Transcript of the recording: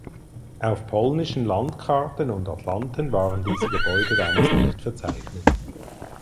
Auf polnischen Landkarten und Atlanten waren diese Gebäude damals nicht verzeichnet.